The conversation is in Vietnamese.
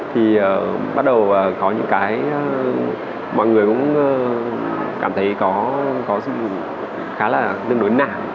thì bắt đầu có những cái mọi người cũng cảm thấy có sự khá là tương đối nà